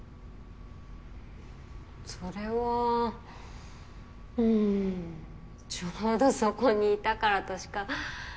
それはうんちょうどそこにいたからとしか。